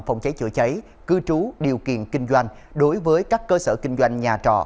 phòng cháy chữa cháy cư trú điều kiện kinh doanh đối với các cơ sở kinh doanh nhà trọ